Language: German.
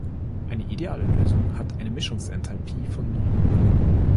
Eine ideale Lösung hat eine Mischungsenthalpie von Null.